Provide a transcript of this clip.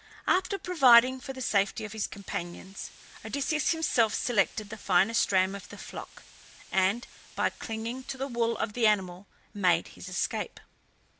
After providing for the safety of his companions, Odysseus himself selected the finest ram of the flock, and, by clinging to the wool of the animal, made his escape.